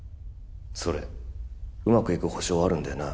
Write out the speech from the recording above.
それうまくいく保証あるんだよな？